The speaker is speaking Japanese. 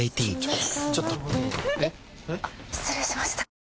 あっ失礼しました。